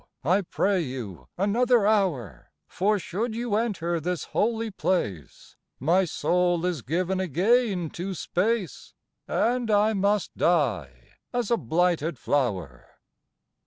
I pray you another hour, For should you enter this Holy place, My soul is given again to space, And I must die as a blighted flower."